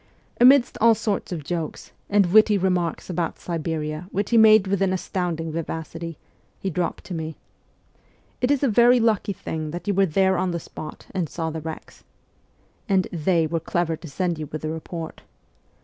Amidst all sorts of jokes, and witty remarks about Siberia which he made with an astounding vivacity, he dropped to me :' It is a very lucky thing that you were there on the spot, and saw the wrecks. And " they " were clever to send you with the report